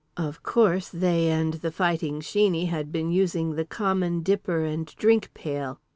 Of course they and The Fighting Sheeney had been using the common dipper and drink pail.